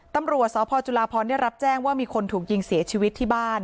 ตำรวจสพจุลาพรได้รับแจ้งว่ามีคนถูกยิงเสียชีวิตที่บ้าน